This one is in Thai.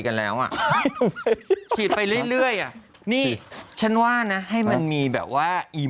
ผมเสียงอู้มาจะได้เอาออก